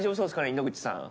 井野口さん。